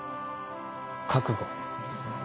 覚悟。